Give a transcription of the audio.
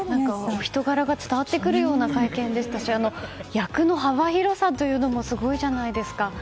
お人柄が伝わってくるような会見でしたし役の幅広さというのもすごいじゃないですか。